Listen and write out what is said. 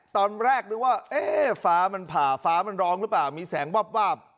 ตอนแรกนึกว่าเอ๊ะฟ้ามันผ่าฟ้ามันร้องหรือเปล่ามีแสงวาบ